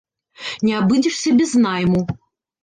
Не абыдзешся без найму.